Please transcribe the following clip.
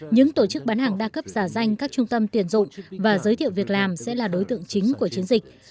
những tổ chức bán hàng đa cấp giả danh các trung tâm tiền dụ và giới thiệu việc làm sẽ là đối tượng chính của chiến dịch